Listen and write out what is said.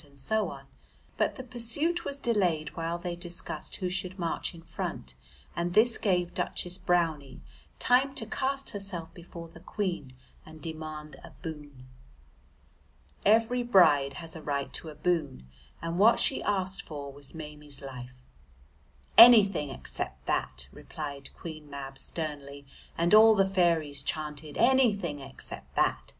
and so on, but the pursuit was delayed while they discussed who should march in front, and this gave Duchess Brownie time to cast herself before the Queen and demand a boon. Every bride has a right to a boon, and what she asked for was Maimie's life. "Anything except that," replied Queen Mab sternly, and all the fairies chanted "Anything except that."